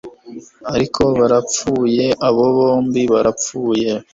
Ariko barapfuye abo bombi barapfuye